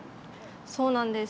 そうなんです。